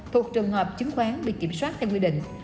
thuộc trường hợp chứng khoán bị kiểm soát theo quy định